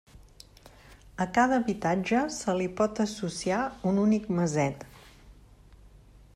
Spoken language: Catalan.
A cada habitatge se li pot associar un únic Maset.